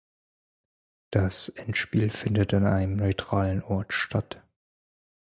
Das Endspiel findet an einem neutralen Ort statt.